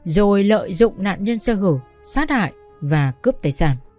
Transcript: rồi lợi dụng nạn nhân sơ hữu sát hại và cướp tài sản